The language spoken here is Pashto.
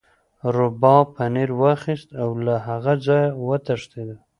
روباه پنیر واخیست او له هغه ځایه وتښتید.